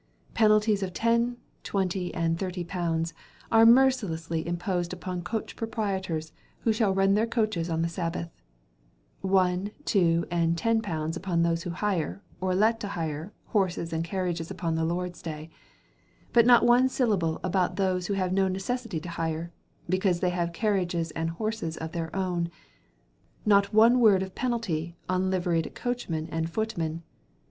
Penalties of ten, twenty, and thirty pounds, are mercilessly imposed upon coach proprietors who shall run their coaches on the Sabbath; one, two, and ten pounds upon those who hire, or let to hire, horses and carriages upon the Lord's day, but not one syllable about those who have no necessity to hire, because they have carriages and horses of their own; not one word of a penalty on liveried coachmen and footmen.